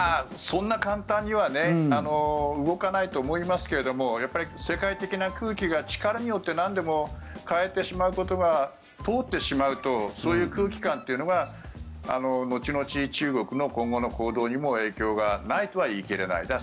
そんな簡単には動かないと思いますけれどもやっぱり世界的な空気が力によってなんでも変えてしまうことが通ってしまうとそういう空気感というのが後々、中国の今後の行動にも影響がないとは言い切れない。